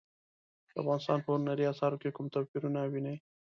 د افغانستان په هنري اثارو کې کوم توپیرونه وینئ؟